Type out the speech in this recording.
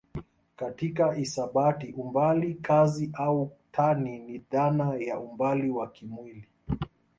Katika hisabati umbali kazi au tani ni dhana ya umbali wa kimwili.